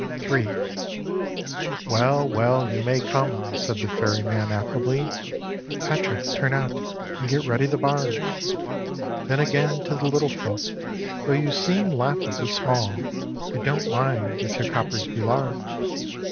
III "Well, well, you may come!" said the Ferryman, affably; "Patrick, turn out, and get ready the barge!" Then again to the Little Folk "Though you seem laughably Small, I don't mind, if your coppers be large."